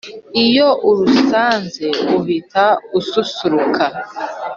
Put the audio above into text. Iyo urusanze uhita ususuruka